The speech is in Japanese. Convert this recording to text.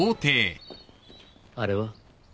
あれは？